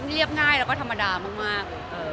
เรียบง่ายแล้วก็ธรรมดามาก